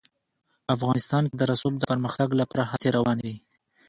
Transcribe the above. افغانستان کې د رسوب د پرمختګ لپاره هڅې روانې دي.